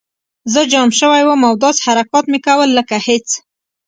زه جام شوی وم او داسې حرکات مې کول لکه هېڅ